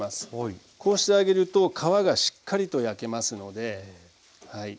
こうしてあげると皮がしっかりと焼けますのではい。